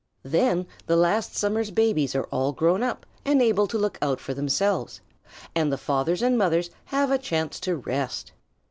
Then the last summer's babies are all grown up and able to look out for themselves, and the fathers and mother's have a chance to rest.